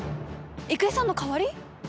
育恵さんの代わり？